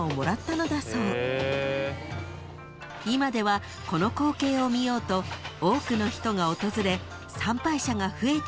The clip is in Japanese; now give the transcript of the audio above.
［今ではこの光景を見ようと多くの人が訪れ参拝者が増えているそうです］